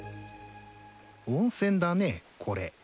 温泉だねこれ。